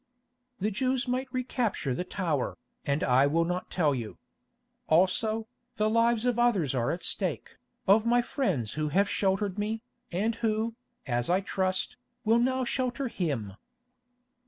"The Jews might re capture the tower, and I will not tell you. Also, the lives of others are at stake, of my friends who have sheltered me, and who, as I trust, will now shelter him."